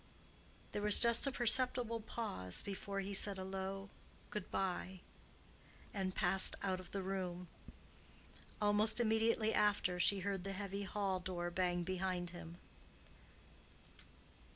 There was just a perceptible pause before he said a low "good bye," and passed out of the room. Almost immediately after, she heard the heavy hall door bang behind him.